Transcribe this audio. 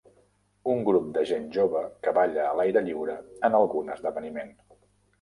Un grup de gent jove que balla a l'aire lliure en algun esdeveniment